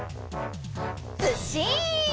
ずっしん！